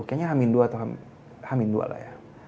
kayaknya hamin dua atau hamin dua lah ya